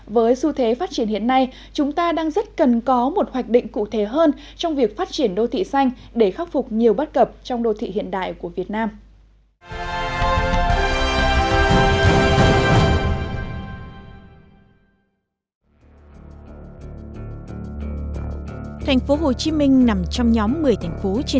với xu thế phát triển hiện nay chúng ta đang rất cần có một hoạch định cụ thể hơn trong việc phát triển đô thị xanh để khắc phục nhiều bất cập trong đô thị hiện nay